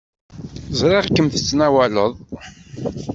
Ẓriɣ-kem tettnawaleḍ.